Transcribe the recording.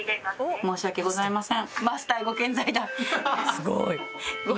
申し訳ございません。